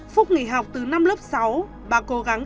phúc nghỉ học từ năm lớp sáu bà cố gắng